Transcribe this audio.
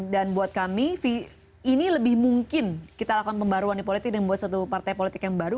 dan buat kami ini lebih mungkin kita lakukan pembaruan di politik dan membuat satu partai politik yang baru